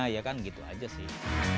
ya kan gitu aja sih